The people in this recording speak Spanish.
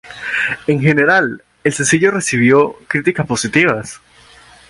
En general, el sencillo recibió críticas positivas.